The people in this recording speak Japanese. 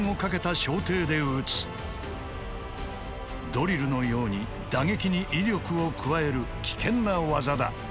ドリルのように打撃に威力を加える危険な技だ。